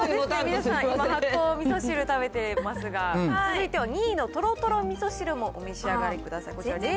皆さん、発酵みそ汁食べていますが、続いては２位のとろとろみそ汁もお召し上がりください。